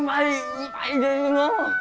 うまいですのう！